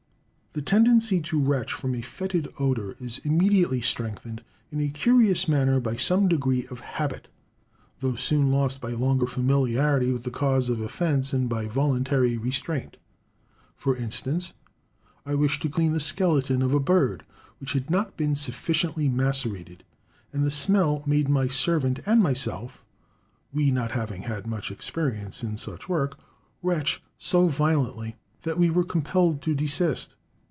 The tendency to retch from a fetid odour is immediately strengthened in a curious manner by some degree of habit, though soon lost by longer familiarity with the cause of offence and by voluntary restraint. For instance, I wished to clean the skeleton of a bird, which had not been sufficiently macerated, and the smell made my servant and myself (we not having had much experience in such work) retch so violently, that we were compelled to desist.